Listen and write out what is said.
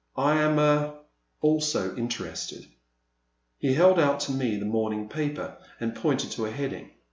I am — er — also interested." He held out to me a morning paper and pointed to a heading.